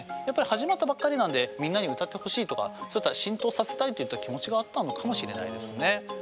やっぱり始まったばっかりなんでみんなに歌ってほしいとかそういった浸透させたいといった気持ちがあったのかもしれないですね。